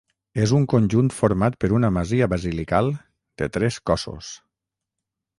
És un conjunt format per una masia basilical, de tres cossos.